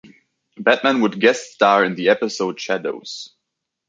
Batman would guest-star in the episode "Shadows".